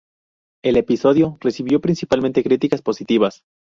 El episodio recibió principalmente críticas positivas.